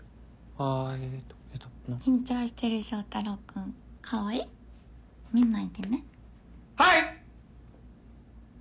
あーえっと緊張してる祥太郎君かわいい見ないでねはい！